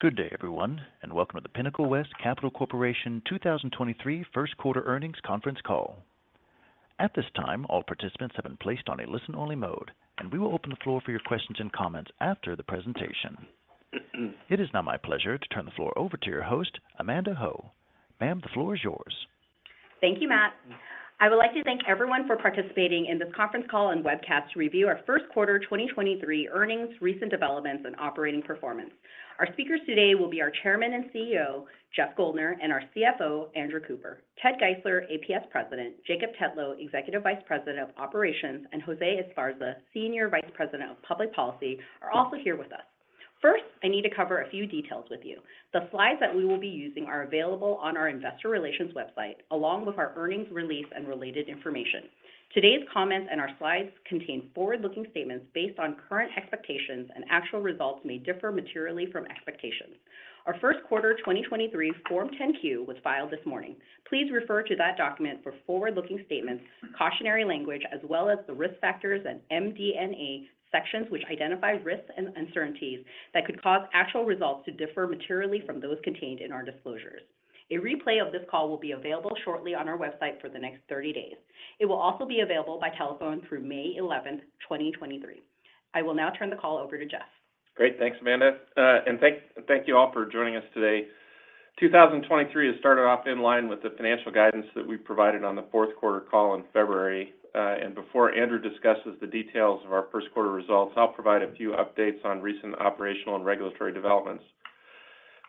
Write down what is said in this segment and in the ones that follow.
Good day, everyone, welcome to the Pinnacle West Capital Corporation 2023 Q1 earnings conference call. At this time, all participants have been placed on a listen-only mode, and we will open the floor for your questions and comments after the presentation. It is now my pleasure to turn the floor over to your host, Amanda Ho. Ma'am, the floor is yours. Thank you, Matt. I would like to thank everyone for participating in this conference call and webcast to review our Q1 2023 earnings, recent developments and operating performance. Our speakers today will be our Chairman and CEO, Jeff Guldner, and our CFO, Andrew Cooper. Ted Geisler, APS President, Jacob Tetlow, Executive Vice President of Operations, and Jose Esparza, Senior Vice President of Public Policy, are also here with us. I need to cover a few details with you. The slides that we will be using are available on our investor relations website, along with our earnings release and related information. Today's comments and our slides contain forward-looking statements based on current expectations and actual results may differ materially from expectations. Our Q1 2023 Form 10-Q was filed this morning. Please refer to that document for forward-looking statements, cautionary language, as well as the risk factors and MD&A sections which identify risks and uncertainties that could cause actual results to differ materially from those contained in our disclosures. A replay of this call will be available shortly on our website for the next 30 days. It will also be available by telephone through May 11, 2023. I will now turn the call over to Jeff. Great. Thanks, Amanda. Thank you all for joining us today. 2023 has started off in line with the financial guidance that we provided on the Q4 call in February. Before Andrew discusses the details of our Q1 results, I'll provide a few updates on recent operational and regulatory developments.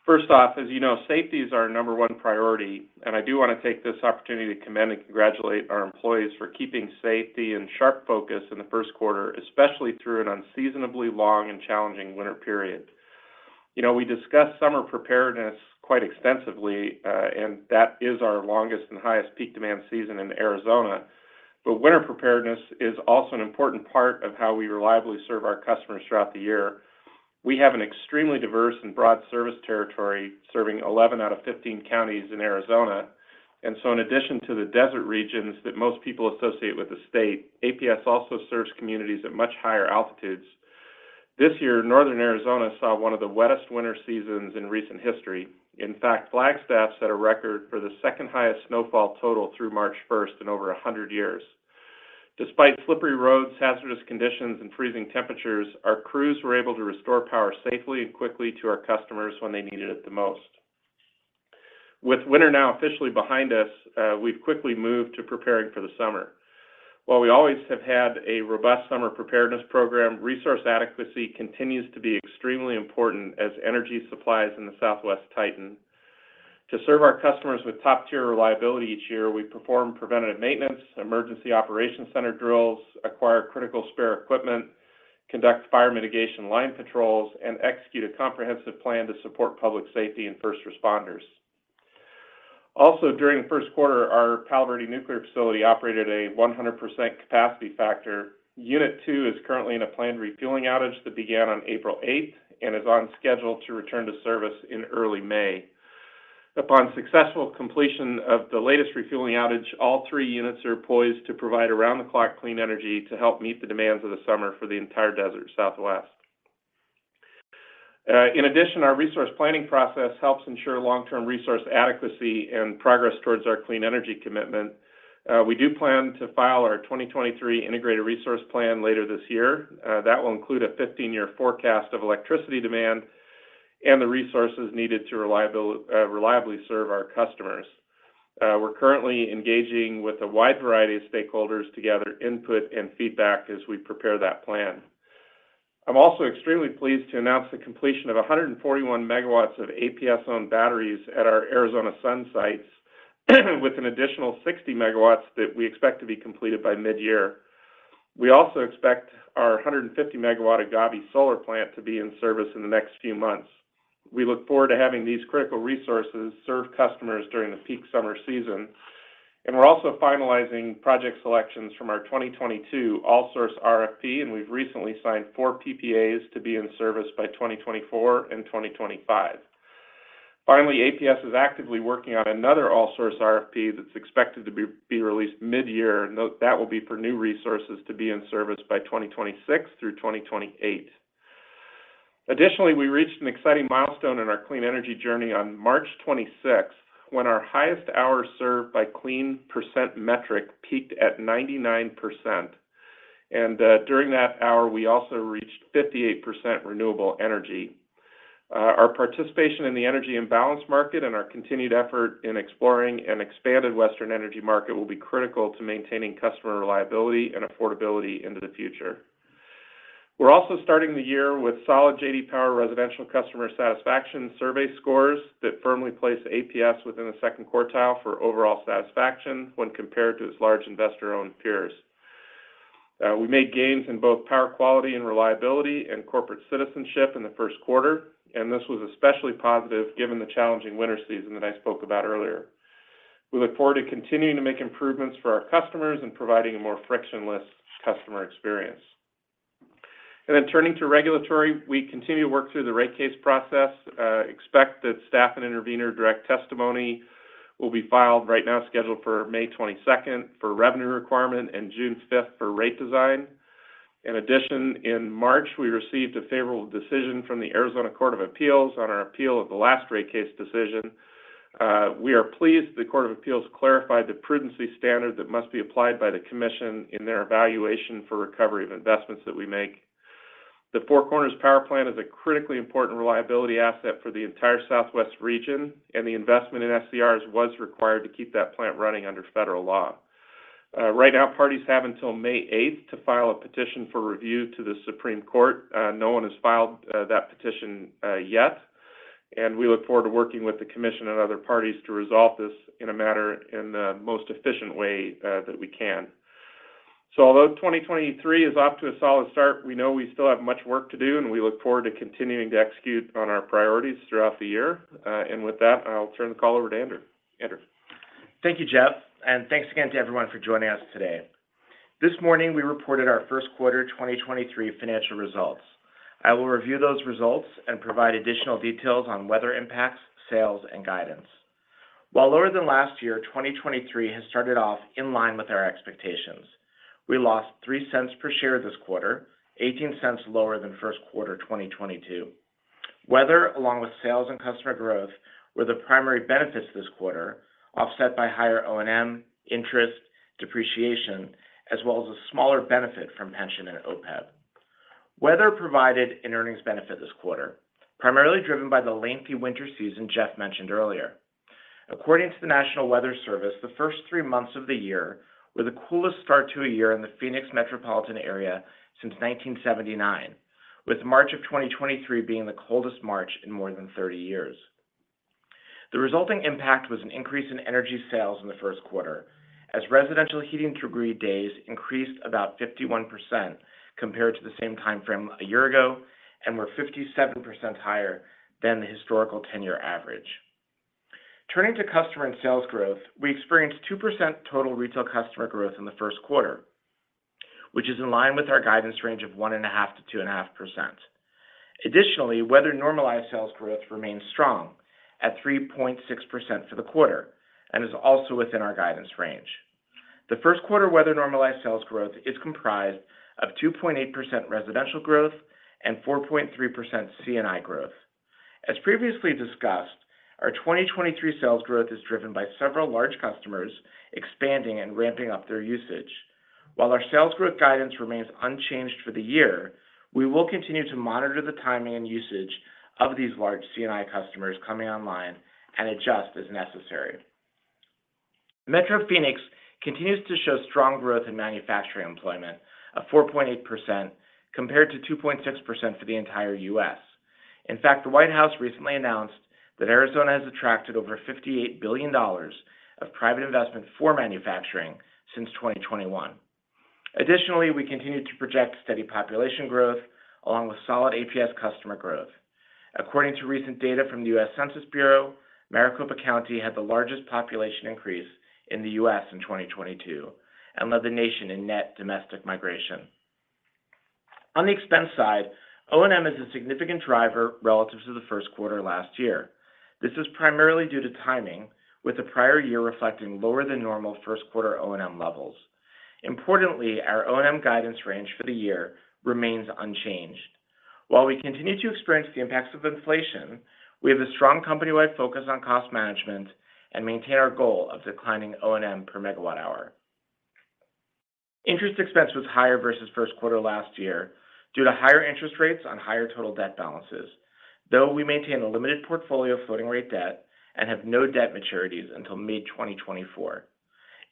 First off, as you know, safety is our number one priority, and I do want to take this opportunity to commend and congratulate our employees for keeping safety in sharp focus in the Q1, especially through an unseasonably long and challenging winter period. You know, we discussed summer preparedness quite extensively, that is our longest and highest peak demand season in Arizona. Winter preparedness is also an important part of how we reliably serve our customers throughout the year. We have an extremely diverse and broad service territory serving 11 out of 15 counties in Arizona. In addition to the desert regions that most people associate with the state, APS also serves communities at much higher altitudes. This year, Northern Arizona saw one of the wettest winter seasons in recent history. In fact, Flagstaff set a record for the second highest snowfall total through March 1st in over 100 years. Despite slippery roads, hazardous conditions, and freezing temperatures, our crews were able to restore power safely and quickly to our customers when they needed it the most. With winter now officially behind us, we've quickly moved to preparing for the summer. While we always have had a robust summer preparedness program, resource adequacy continues to be extremely important as energy supplies in the Southwest tighten. To serve our customers with top-tier reliability each year, we perform preventative maintenance, emergency operations center drills, acquire critical spare equipment, conduct fire mitigation line patrols, and execute a comprehensive plan to support public safety and first responders. During the Q1, our Palo Verde Generating Station operated a 100% capacity factor. Unit two is currently in a planned refueling outage that began on April 8th and is on schedule to return to service in early May. Upon successful completion of the latest refueling outage, all three units are poised to provide around-the-clock clean energy to help meet the demands of the summer for the entire desert Southwest. In addition, our resource planning process helps ensure long-term resource adequacy and progress towards our clean energy commitment. We do plan to file our 2023 Integrated Resource Plan later this year. That will include a 15-year forecast of electricity demand and the resources needed to reliably serve our customers. We're currently engaging with a wide variety of stakeholders to gather input and feedback as we prepare that plan. I'm also extremely pleased to announce the completion of 141 megawatts of APS-owned batteries at our Arizona Sun sites with an additional 60 megawatts that we expect to be completed by mid-year. We also expect our 150 megawatt Agave Solar Plant to be in service in the next few months. We look forward to having these critical resources serve customers during the peak summer season. We're also finalizing project selections from our 2022 All-Source RFP, and we've recently signed 4 PPAs to be in service by 2024 and 2025. Finally, APS is actively working on another All-Source RFP that's expected to be released mid-year. Note that will be for new resources to be in service by 2026 through 2028. Additionally, we reached an exciting milestone in our clean energy journey on March 26th when our highest hours served by clean percent metric peaked at 99%. During that hour, we also reached 58% renewable energy. Our participation in the Energy Imbalance Market and our continued effort in exploring an expanded Western energy market will be critical to maintaining customer reliability and affordability into the future. We're also starting the year with solid J.D. Power residential customer satisfaction survey scores that firmly place APS within the second quartile for overall satisfaction when compared to its large investor-owned peers. We made gains in both power quality and reliability and corporate citizenship in the Q1, this was especially positive given the challenging winter season that I spoke about earlier. We look forward to continuing to make improvements for our customers and providing a more frictionless customer experience. Turning to regulatory, we continue to work through the rate case process. Expect that staff and intervener direct testimony will be filed right now, scheduled for May 22nd for revenue requirement and June 5th for rate design. In addition, in March, we received a favorable decision from the Arizona Court of Appeals on our appeal of the last rate case decision. We are pleased the Court of Appeals clarified the prudency standard that must be applied by the commission in their evaluation for recovery of investments that we make. The Four Corners Power Plant is a critically important reliability asset for the entire southwest region. The investment in SCRs was required to keep that plant running under federal law. Right now, parties have until May 8th to file a petition for review to the Supreme Court. No one has filed that petition yet. We look forward to working with the commission and other parties to resolve this in the most efficient way that we can. Although 2023 is off to a solid start, we know we still have much work to do. We look forward to continuing to execute on our priorities throughout the year. With that, I'll turn the call over to Andrew. Andrew. Thank you, Jeff, and thanks again to everyone for joining us today. This morning, we reported our Q1 2023 financial results. I will review those results and provide additional details on weather impacts, sales, and guidance. While lower than last year, 2023 has started off in line with our expectations. We lost $0.03 per share this quarter, $0.18 lower than Q1 2022. Weather, along with sales and customer growth, were the primary benefits this quarter, offset by higher O&M, interest, depreciation, as well as a smaller benefit from pension and OPEB. Weather provided an earnings benefit this quarter, primarily driven by the lengthy winter season Jeff mentioned earlier. According to the National Weather Service, the first three months of the year were the coolest start to a year in the Phoenix metropolitan area since 1979, with March of 2023 being the coldest March in more than 30 years. The resulting impact was an increase in energy sales in the Q1 as residential Heating Degree Days increased about 51% compared to the same timeframe a year ago and were 57% higher than the historical 10-year average. Turning to customer and sales growth, we experienced 2% total retail customer growth in the Q1, which is in line with our guidance range of 1.5%-2.5%. Additionally, weather normalized sales growth remains strong at 3.6% for the quarter and is also within our guidance range. The Q1 weather normalized sales growth is comprised of 2.8% residential growth and 4.3% C&I growth. As previously discussed, our 2023 sales growth is driven by several large customers expanding and ramping up their usage. While our sales growth guidance remains unchanged for the year, we will continue to monitor the timing and usage of these large C&I customers coming online and adjust as necessary. Metro Phoenix continues to show strong growth in manufacturing employment of 4.8% compared to 2.6% for the entire U.S. In fact, the White House recently announced that Arizona has attracted over $58 billion of private investment for manufacturing since 2021. We continue to project steady population growth along with solid APS customer growth. According to recent data from the U.S. Census Bureau, Maricopa County had the largest population increase in the U.S. in 2022 and led the nation in net domestic migration. On the expense side, O&M is a significant driver relative to the Q1 last year. This is primarily due to timing, with the prior year reflecting lower than normal Q1 O&M levels. Importantly, our O&M guidance range for the year remains unchanged. While we continue to experience the impacts of inflation, we have a strong company-wide focus on cost management and maintain our goal of declining O&M per megawatt-hour. Interest expense was higher versus Q1 last year due to higher interest rates on higher total debt balances. We maintain a limited portfolio of floating rate debt and have no debt maturities until May 2024.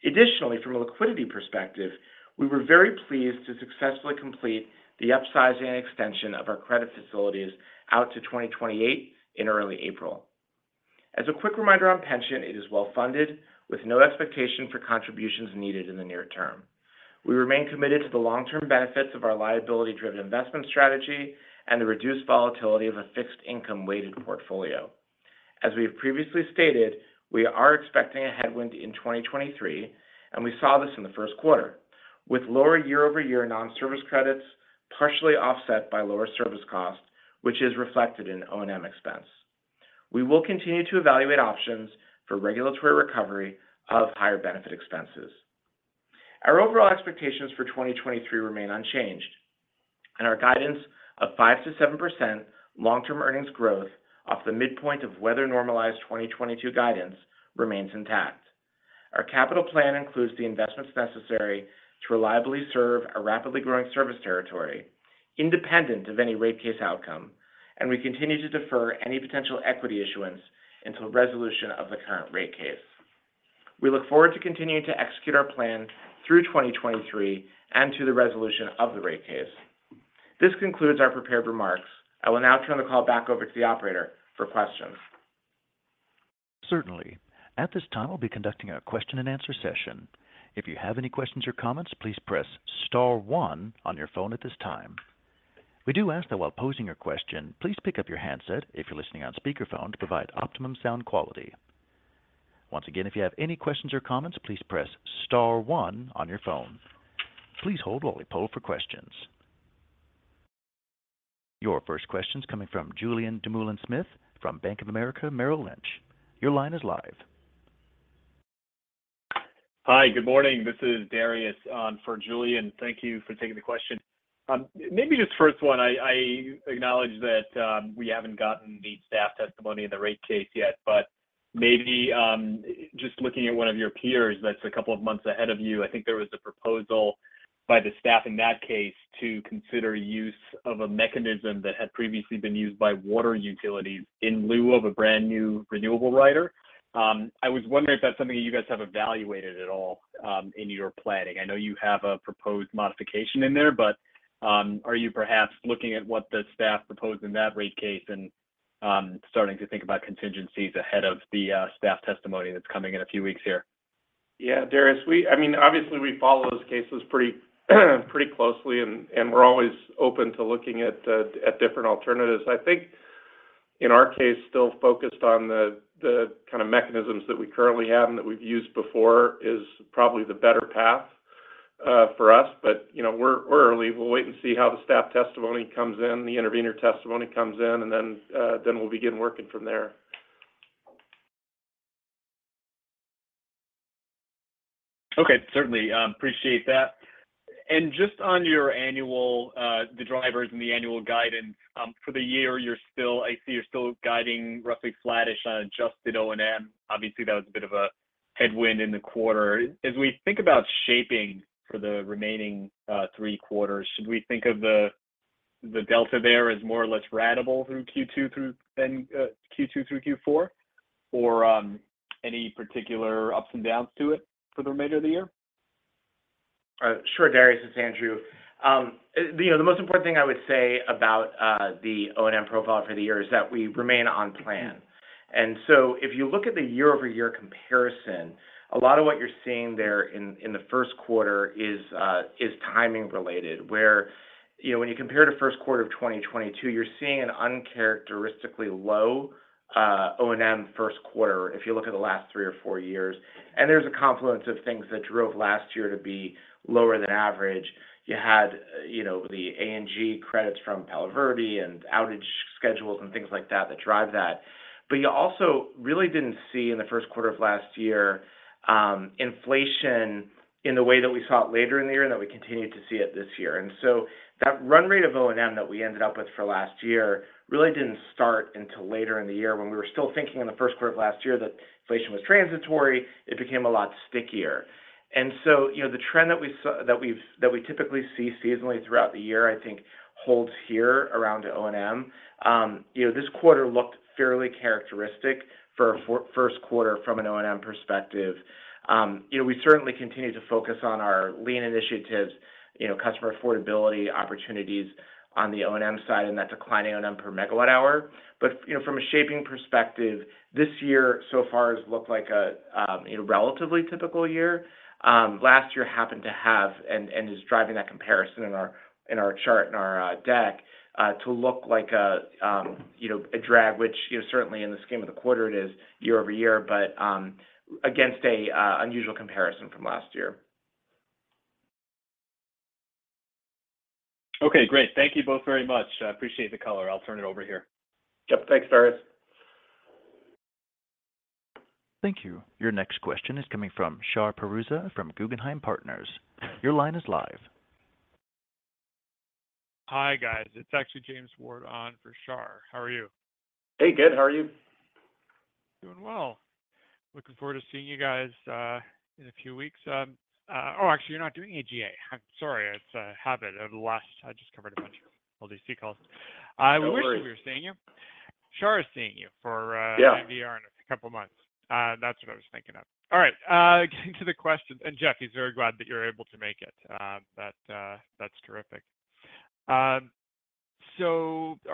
Additionally, from a liquidity perspective, we were very pleased to successfully complete the upsize and extension of our credit facilities out to 2028 in early April. As a quick reminder on pension, it is well-funded with no expectation for contributions needed in the near term. We remain committed to the long-term benefits of our liability-driven investment strategy and the reduced volatility of a fixed income weighted portfolio. As we have previously stated, we are expecting a headwind in 2023, and we saw this in the Q1 with lower year-over-year non-service credits, partially offset by lower service costs, which is reflected in O&M expense. We will continue to evaluate options for regulatory recovery of higher benefit expenses. Our overall expectations for 2023 remain unchanged, and our guidance of 5%-7% long-term earnings growth off the midpoint of weather normalized 2022 guidance remains intact. Our capital plan includes the investments necessary to reliably serve a rapidly growing service territory independent of any rate case outcome, and we continue to defer any potential equity issuance until resolution of the current rate case. We look forward to continuing to execute our plan through 2023 and to the resolution of the rate case. This concludes our prepared remarks. I will now turn the call back over to the operator for questions. Certainly. At this time, we'll be conducting a question and answer session. If you have any questions or comments, please press star one on your phone at this time. We do ask that while posing your question, please pick up your handset if you're listening on speakerphone to provide optimum sound quality. Once again, if you have any questions or comments, please press star one on your phone. Please hold while we poll for questions. Your first question's coming from Julien Dumoulin-Smith from Bank of America Merrill Lynch. Your line is live. Hi. Good morning. This is Darius for Julien. Thank you for taking the question. Maybe just first one, I acknowledge that we haven't gotten the staff testimony in the rate case yet. Maybe, just looking at one of your peers that's a couple of months ahead of you, I think there was a proposal by the staff in that case to consider use of a mechanism that had previously been used by water utilities in lieu of a brand-new renewable rider. I was wondering if that's something that you guys have evaluated at all in your planning. I know you have a proposed modification in there, are you perhaps looking at what the staff proposed in that rate case and starting to think about contingencies ahead of the staff testimony that's coming in a few weeks here? Yeah, Darius, I mean, obviously, we follow those cases pretty closely, and we're always open to looking at different alternatives. I think in our case, still focused on the kind of mechanisms that we currently have and that we've used before is probably the better path for us. You know, we're early. We'll wait and see how the staff testimony comes in, the intervener testimony comes in, and then we'll begin working from there. Okay. Certainly, appreciate that. Just on your annual, the drivers and the annual guidance, for the year, I see you're still guiding roughly flattish on adjusted O&M. Obviously, that was a bit of a headwind in the quarter. As we think about shaping for the remaining three quarters, should we think of the delta there as more or less ratable through Q2 through Q4? Any particular ups and downs to it for the remainder of the year? Sure, Darius. It's Andrew. You know, the most important thing I would say about the O&M profile for the year is that we remain on plan. If you look at the year-over-year comparison, a lot of what you're seeing there in the Q1 is timing related, where, you know, when you compare the Q1 of 2022, you're seeing an uncharacteristically low O&M Q1 if you look at the last three or four years. There's a confluence of things that drove last year to be lower than average. You had, you know, the ANG credits from Palo Verde and outage schedules and things like that drive that. You also really didn't see in the Q1 of last year, inflation in the way that we saw it later in the year and that we continue to see it this year. That run rate of O&M that we ended up with for last year really didn't start until later in the year when we were still thinking in the Q1 of last year that inflation was transitory. It became a lot stickier. You know, the trend that we typically see seasonally throughout the year, I think holds here around O&M. You know, this quarter looked fairly characteristic for a Q1 from an O&M perspective. You know, we certainly continue to focus on our lean initiatives, you know, customer affordability opportunities on the O&M side and that declining O&M per megawatt-hour. You know, from a shaping perspective, this year so far has looked like a, you know, relatively typical year. Last year happened to have and is driving that comparison in our, in our chart, in our deck to look like a, you know, a drag, which, you know, certainly in the scheme of the quarter it is year-over-year, but against an unusual comparison from last year. Okay, great. Thank you both very much. I appreciate the color. I'll turn it over here. Yep. Thanks, Darius. Thank you. Your next question is coming from Shar Pourreza from Guggenheim Partners. Your line is live. Hi, guys. It's actually James Ward on for Shar. How are you? Hey. Good. How are you? Doing well. Looking forward to seeing you guys in a few weeks. Actually you're not doing AGA. I'm sorry. It's a habit of the last. I just covered a bunch of LDC calls. No worries. We wish we were seeing you. Shar is seeing you for. Yeah NBR in a couple of months. That's what I was thinking of. All right, getting to the question. Jeff, he's very glad that you're able to make it. That's terrific. Our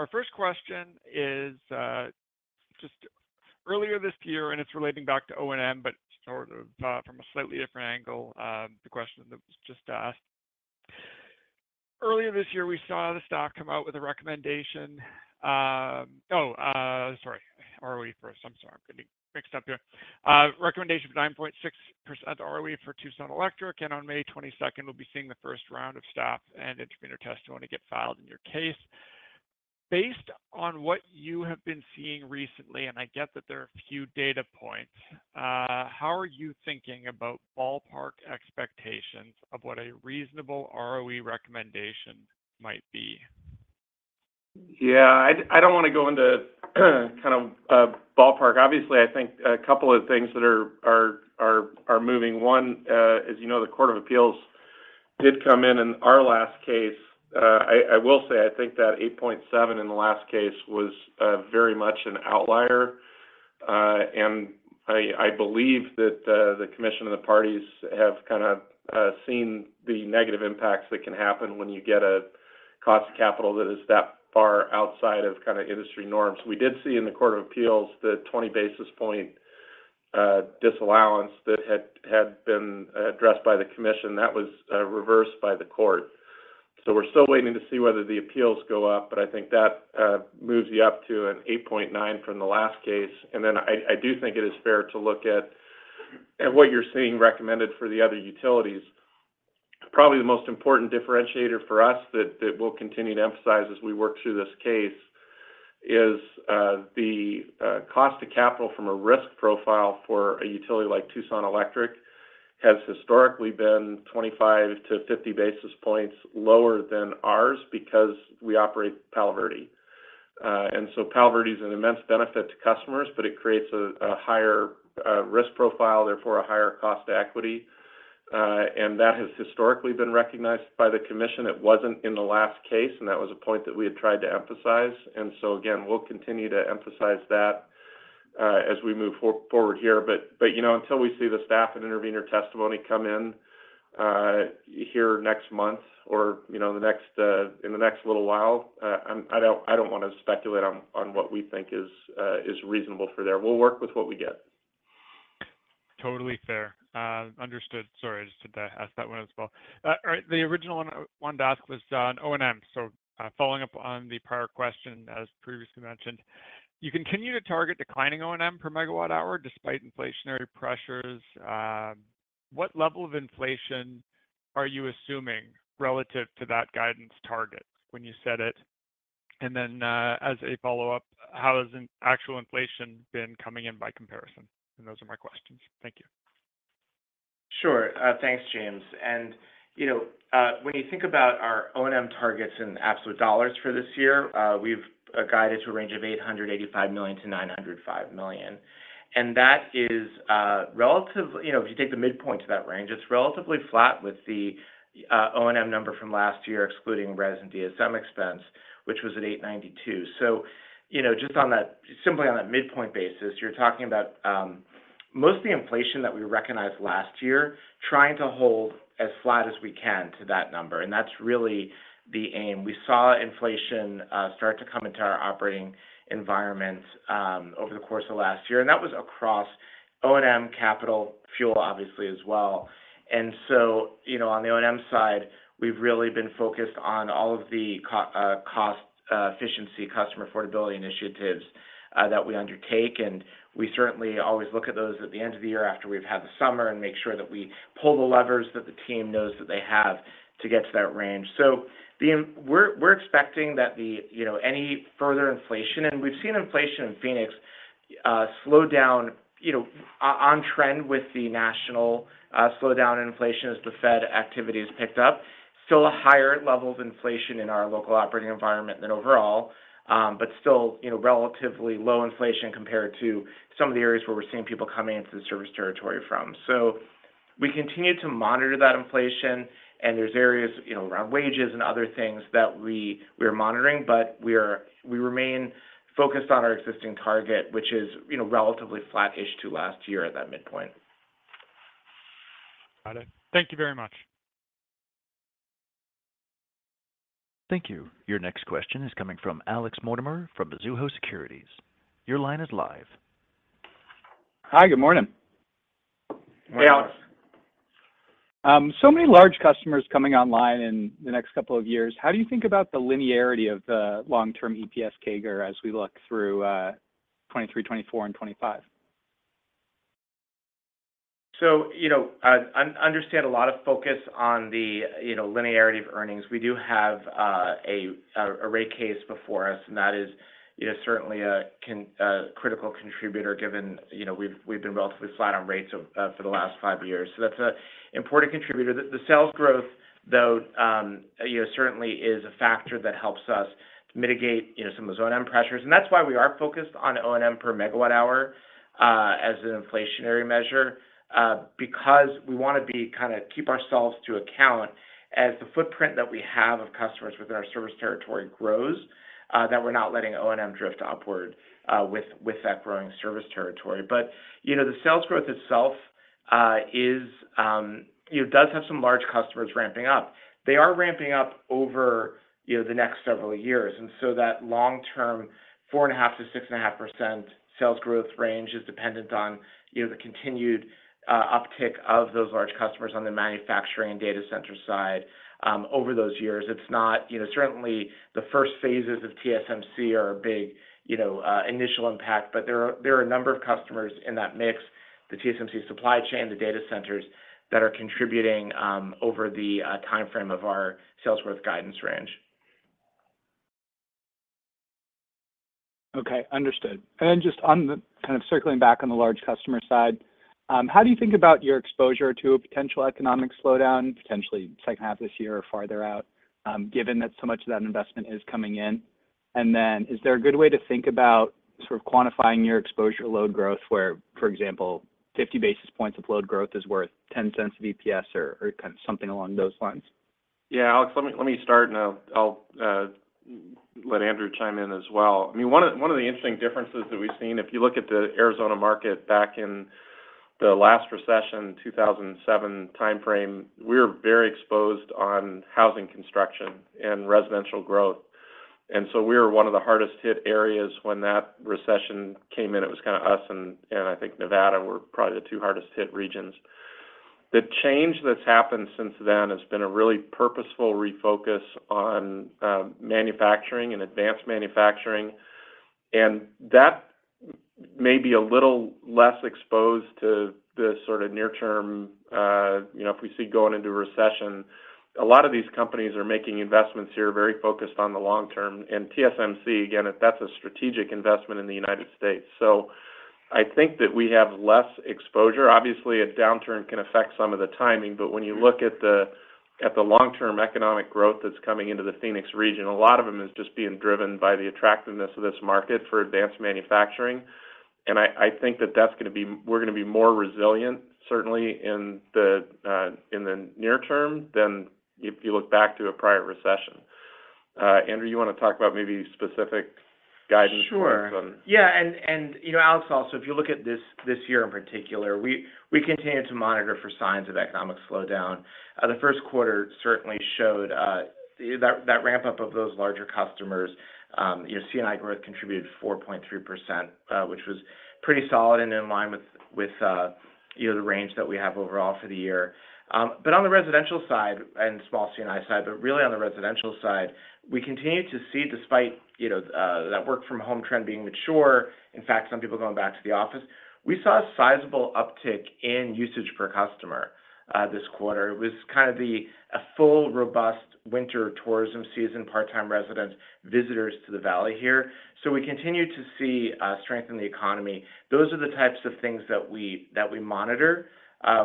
first question is, just earlier this year, and it's relating back to O&M, but sort of, from a slightly different angle, the question that was just asked. Earlier this year, we saw the stock come out with a recommendation. Oh, sorry. ROE first. I'm sorry. I'm getting mixed up here. Recommendation of 9.6% ROE for Tucson Electric, and on May 22nd, we'll be seeing the first round of staff and intervener testimony get filed in your case. Based on what you have been seeing recently, and I get that there are a few data points, how are you thinking about ballpark expectations of what a reasonable ROE recommendation might be? Yeah. I don't wanna go into kind of a ballpark. Obviously, I think a couple of things that are moving. One, as you know, the Court of Appeals did come in in our last case. I will say I think that 8.7 in the last case was very much an outlier. I believe that the commission and the parties have kinda seen the negative impacts that can happen when you get a cost of capital that is that far outside of kinda industry norms. We did see in the Court of Appeals the 20 basis point disallowance that had been addressed by the commission. That was reversed by the court. We're still waiting to see whether the appeals go up, but I think that moves you up to an 8.9 from the last case. I do think it is fair to look at what you're seeing recommended for the other utilities. Probably the most important differentiator for us that we'll continue to emphasize as we work through this case is the cost to capital from a risk profile for a utility like Tucson Electric has historically been 25 to 50 basis points lower than ours because we operate Palo Verde. Palo Verde is an immense benefit to customers, but it creates a higher risk profile, therefore a higher cost to equity. That has historically been recognized by the commission. It wasn't in the last case, that was a point that we had tried to emphasize. Again, we'll continue to emphasize that, as we move forward here. You know, until we see the staff and intervener testimony come in, here next month or, you know, the next, in the next little while, I don't wanna speculate on what we think is reasonable for there. We'll work with what we get. Totally fair. understood. Sorry, I just had to ask that one as well. All right, the original one to ask was on O&M. Following up on the prior question as previously mentioned, you continue to target declining O&M per megawatt-hour despite inflationary pressures. What level of inflation are you assuming relative to that guidance target when you set it? As a follow-up, how has an actual inflation been coming in by comparison? Those are my questions. Thank you. Sure. Thanks, James. When you think about our O&M targets in absolute dollars for this year, we've guided to a range of $885 million to $905 million. That is, if you take the midpoint to that range, it's relatively flat with the O&M number from last year, excluding RES and DSM expense, which was at $892 million. Simply on that midpoint basis, you're talking about most of the inflation that we recognized last year trying to hold as flat as we can to that number. That's really the aim. We saw inflation start to come into our operating environment over the course of last year. That was across O&M capital fuel, obviously, as well. You know, on the O&M side, we've really been focused on all of the cost efficiency, customer affordability initiatives that we undertake. We certainly always look at those at the end of the year after we've had the summer and make sure that we pull the levers that the team knows that they have to get to that range. We're expecting that the, you know, any further inflation, and we've seen inflation in Phoenix slow down, you know, on trend with the national slowdown in inflation as the Fed activity is picked up. Still a higher level of inflation in our local operating environment than overall, but still, you know, relatively low inflation compared to some of the areas where we're seeing people coming into the service territory from. We continue to monitor that inflation, and there's areas, you know, around wages and other things that we are monitoring, but we remain focused on our existing target, which is, you know, relatively flatish to last year at that midpoint. Got it. Thank you very much. Thank you. Your next question is coming from Alex Mortimer from Mizuho Securities. Your line is live. Hi. Good morning. Hey, Alex. Morning. Many large customers coming online in the next couple of years. How do you think about the linearity of the long-term EPS CAGR as we look through, 2023, 2024 and 2025? You know, I understand a lot of focus on the, you know, linearity of earnings. We do have a rate case before us, and that is, you know, certainly a critical contributor given, you know, we've been relatively flat on rates for the last five years. That's an important contributor. The sales growth, though, you know, certainly is a factor that helps us mitigate, you know, some of those O&M pressures and that's why we are focused on O&M per megawatt-hour as an inflationary measure because we wanna kinda keep ourselves to account as the footprint that we have of customers within our service territory grows, that we're not letting O&M drift upward with that growing service territory. You know, the sales growth itself, you know, does have some large customers ramping up. They are ramping up over, you know, the next several years. That long-term 4.5%-6.5% sales growth range is dependent on, you know, the continued uptick of those large customers on the manufacturing data center side over those years. It's not, you know, certainly the first phases of TSMC are a big, you know, initial impact. There are a number of customers in that mix, the TSMC supply chain, the data centers, that are contributing over the timeframe of our sales growth guidance range. Okay. Understood. Just on the kind of circling back on the large customer side, how do you think about your exposure to a potential economic slowdown, potentially second half this year or farther out, given that so much of that investment is coming in? Is there a good way to think about sort of quantifying your exposure load growth where, for example, 50 basis points of load growth is worth $0.10 of EPS or kind of something along those lines? Yeah, Alex, let me start and I'll let Andrew chime in as well. I mean, one of the interesting differences that we've seen, if you look at the Arizona market back in the last recession, 2007 timeframe, we were very exposed on housing construction and residential growth. We were one of the hardest hit areas when that recession came in. It was kinda us and I think Nevada were probably the two hardest hit regions. The change that's happened since then has been a really purposeful refocus on manufacturing and advanced manufacturing. That maybe a little less exposed to the sort of near term, you know, if we see going into a recession. A lot of these companies are making investments here very focused on the long term. TSMC, again, that's a strategic investment in the United States. I think that we have less exposure. Obviously, a downturn can affect some of the timing, but when you look at the long-term economic growth that's coming into the Phoenix region, a lot of them is just being driven by the attractiveness of this market for advanced manufacturing. I think that we're gonna be more resilient, certainly in the near term than if you look back to a prior recession. Andrew, you want to talk about maybe specific guidance on. Sure. Yeah. You know, Alex, also, if you look at this year in particular, we continue to monitor for signs of economic slowdown. The Q1 certainly showed that ramp-up of those larger customers. You know, C&I growth contributed 4.3%, which was pretty solid and in line with, you know, the range that we have overall for the year. On the residential side and small C&I side, but really on the residential side, we continue to see despite, you know, that work-from-home trend being mature, in fact, some people going back to the office, we saw a sizable uptick in usage per customer this quarter. It was kind of a full, robust winter tourism season, part-time residents, visitors to the Valley here. We continue to see strength in the economy. Those are the types of things that we monitor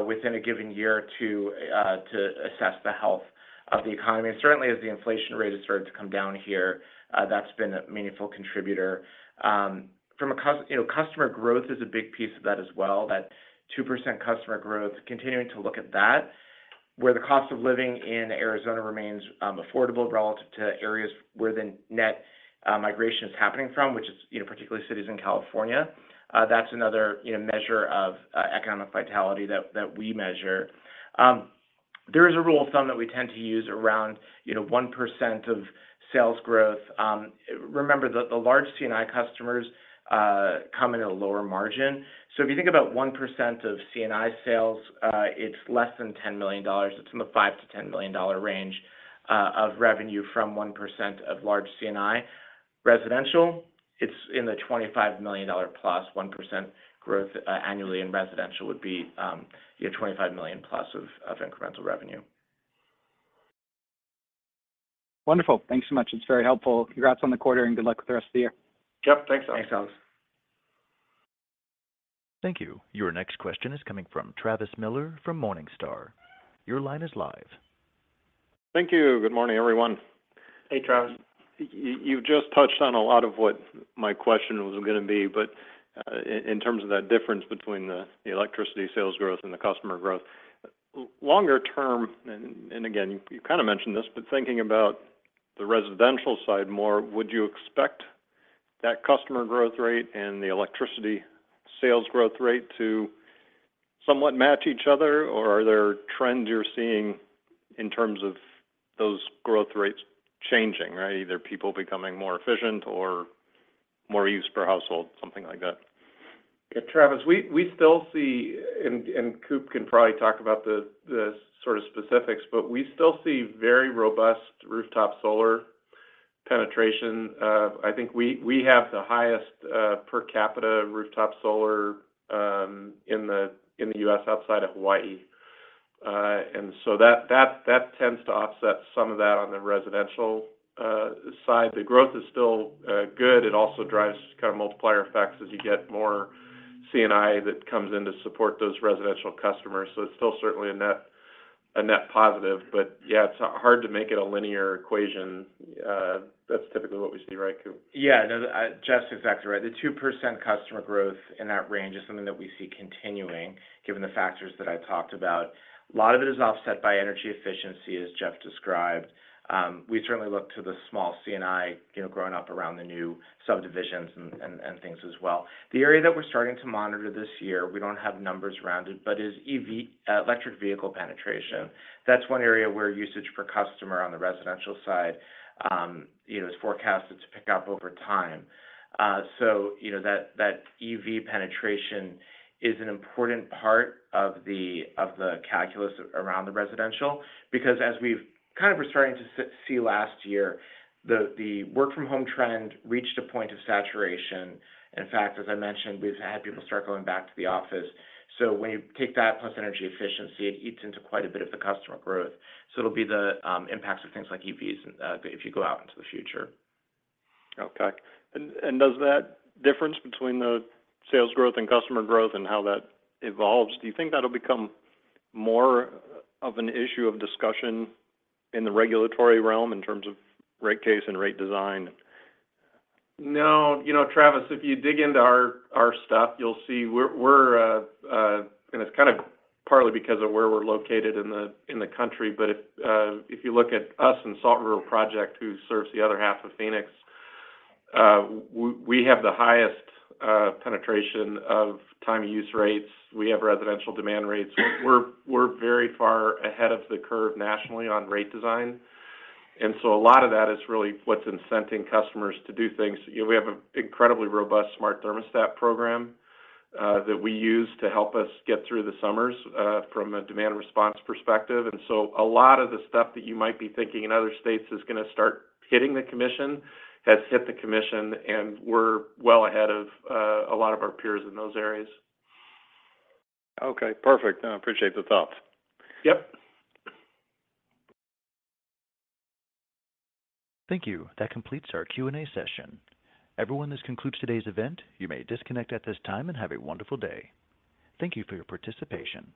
within a given year to assess the health of the economy. Certainly, as the inflation rate has started to come down here, that's been a meaningful contributor. You know, customer growth is a big piece of that as well. That 2% customer growth, continuing to look at that, where the cost of living in Arizona remains affordable relative to areas where the net migration is happening from, which is, you know, particularly cities in California. That's another, you know, measure of economic vitality that we measure. There is a rule of thumb that we tend to use around, you know, 1% of sales growth. Remember the large C&I customers, come in at a lower margin. If you think about 1% of C&I sales, it's less than $10 million. It's in the $5 million-$10 million range, of revenue from 1% of large C&I. Residential, it's in the $25 million plus 1% growth, annually in residential would be, you know, $25 million plus of incremental revenue. Wonderful. Thanks so much. It's very helpful. Congrats on the quarter and good luck with the rest of the year. Yep. Thanks, Alex. Thanks, Alex. Thank you. Your next question is coming from Travis Miller from Morningstar. Your line is live. Thank you. Good morning, everyone. Hey, Travis. You've just touched on a lot of what my question was gonna be, but in terms of that difference between the electricity sales growth and the customer growth. Longer term, and again, you kind of mentioned this, but thinking about the residential side more, would you expect that customer growth rate and the electricity sales growth rate to somewhat match each other? Or are there trends you're seeing in terms of those growth rates changing, right? Either people becoming more efficient or more use per household, something like that. Yeah. Travis, we still see, and Coop can probably talk about the sort of specifics, but we still see very robust rooftop solar penetration. I think we have the highest per capita rooftop solar in the U.S. outside of Hawaii. That tends to offset some of that on the residential side. The growth is still good. It also drives kind of multiplier effects as you get more C&I that comes in to support those residential customers. It's still certainly a net positive. Yeah, it's hard to make it a linear equation. That's typically what we see, right, Coop? Yeah. No, Jeff's exactly right. The 2% customer growth in that range is something that we see continuing, given the factors that I talked about. A lot of it is offset by energy efficiency, as Jeff described. We certainly look to the small C&I, you know, growing up around the new subdivisions and things as well. The area that we're starting to monitor this year, we don't have numbers around it, but is EV, electric vehicle penetration. That's one area where usage per customer on the residential side, you know, is forecasted to pick up over time. You know, that EV penetration is an important part of the calculus around the residential. As we're starting to see last year, the work-from-home trend reached a point of saturation. In fact, as I mentioned, we've had people start going back to the office. When you take that plus energy efficiency, it eats into quite a bit of the customer growth. It'll be the impacts of things like EVs, if you go out into the future. Okay. Does that difference between the sales growth and customer growth and how that evolves, do you think that'll become more of an issue of discussion in the regulatory realm in terms of rate case and rate design? No. You know, Travis, if you dig into our stuff, you'll see we're and it's kind of partly because of where we're located in the country, but if you look at us and Salt River Project, who serves the other half of Phoenix, we have the highest penetration of Time-of-Use rates. We have residential demand rates. We're very far ahead of the curve nationally on rate design. A lot of that is really what's incenting customers to do things. You know, we have an incredibly robust smart thermostat program that we use to help us get through the summers from a demand response perspective. A lot of the stuff that you might be thinking in other states is gonna start hitting the commission, has hit the commission, and we're well ahead of a lot of our peers in those areas. Okay, perfect. I appreciate the thoughts. Yep. Thank you. That completes our Q&A session. Everyone, this concludes today's event. You may disconnect at this time, and have a wonderful day. Thank you for your participation.